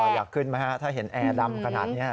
อยากขึ้นไหมฮะถ้าเห็นแอร์ดำขนาดนี้